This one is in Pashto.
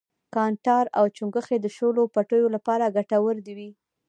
کانټار او چنگښې د شولو پټیو لپاره گټور وي.